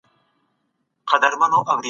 فابریکې څنګه د تولید کیفیت کنټرولوي؟